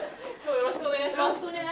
よろしくお願いします。